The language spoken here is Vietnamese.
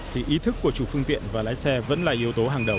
thì ý thức của chủ phương tiện và lái xe vẫn là yếu tố hàng đầu